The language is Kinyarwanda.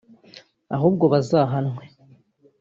ahubwo bazanahanwe